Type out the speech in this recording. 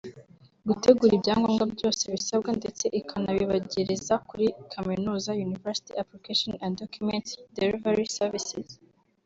gutegura ibyagombwa byose bisabwa ndetse ikanabibagereza kuri kaminuza (University Application and Documents Delivery Services)